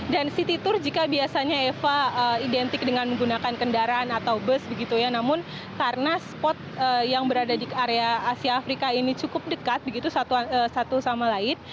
dan city tour jika biasanya eva identik dengan menggunakan kendaraan atau bus begitu ya namun karena spot yang berada di area asia afrika ini cukup dekat begitu satu sama lain